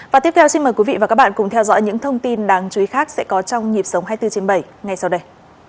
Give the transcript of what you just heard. và tiếp theo xin mời quý vị và các bạn cùng theo dõi những thông tin đáng chú ý khác sẽ có trong nhịp sống hai mươi bốn trên bảy ngay sau đây